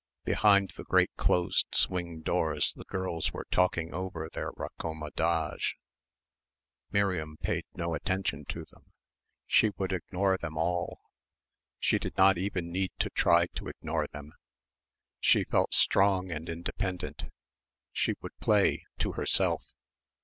Behind the great closed swing doors the girls were talking over their raccommodage. Miriam paid no attention to them. She would ignore them all. She did not even need to try to ignore them. She felt strong and independent. She would play, to herself.